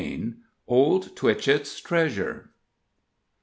OLD TWITCHETT'S TREASURE.